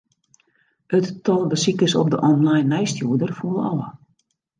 It tal besikers op de online nijsstjoerder foel ôf.